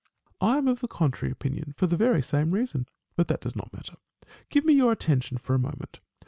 Met. I am of the contrary opinion for the very same reason. But that does not matter. Give me your attention for a moment.